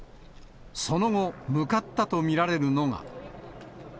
その後、向かったと見られるのが。